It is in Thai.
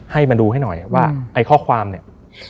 ให้มาดูให้หน่อยว่าไอ้ข้อความเนี่ย